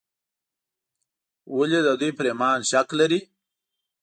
ولې د دوی پر ایمان شک لري.